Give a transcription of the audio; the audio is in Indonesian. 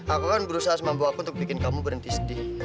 aku kan berusaha membawa aku untuk bikin kamu berhenti sedih